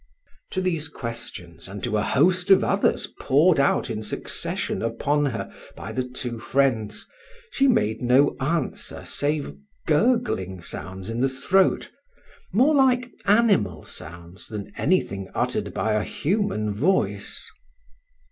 To these questions, and to a host of others poured out in succession upon her by the two friends, she made no answer save gurgling sounds in the throat, more like animal sounds than anything uttered by a human voice.